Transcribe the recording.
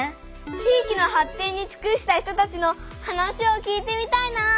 地域の発展につくした人たちの話を聞いてみたいな！